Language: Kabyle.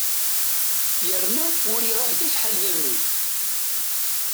Yerna uriɣ-ak-d acḥal d abrid.